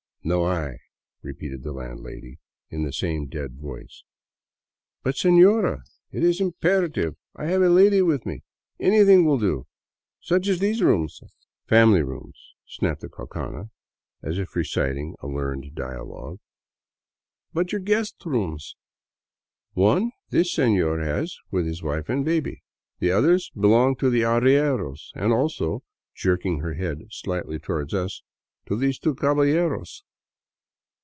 " No hay," repeated the landlady, in the same dead voice. " But sefiora, it is imperative. I have a lady with me ! Anything will do — such as these rooms." 59 VAGABONDING DOWN THE ANDES " Family rooms," snapped the caucana, as if reciting a learned dia« logue. " But your guest rooms ?"" One this senor has with his wife and baby. The other belongs to the arrieros — and also," jerking her head slightly toward us, " to these two caballeros."